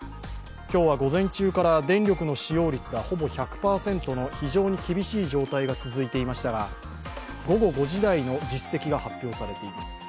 今日は午前中から電力の使用率がほぼ１００％の非常に厳しい状態が続いていましたが、午後５時台の実績が発表されています。